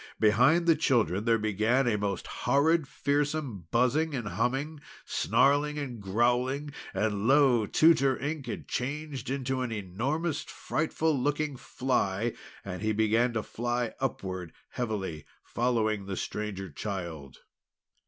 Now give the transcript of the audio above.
Behind the children there began a most horrid, fearsome buzzing and humming, snarling and growling, and, lo! Tutor Ink had changed into an enormous frightful looking fly. And he began to fly upward heavily, following the Stranger Child.